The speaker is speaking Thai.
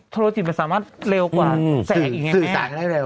โทรชีจริงประสามารถเร็วกว่าแสนอย่างงี้